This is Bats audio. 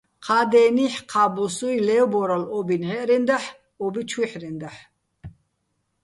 ჴა დენიჰ̦, ჴა ბუსუ́ჲ ლე́ვბორალო̆ ო́ბი ნჵაჲჸრენდაჰ̦, ო́ბი ჩუჲჰ̦რენდაჰ̦.